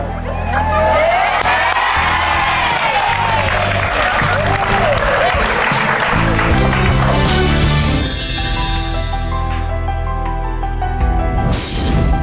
โปรดติดตามตอนต่อไป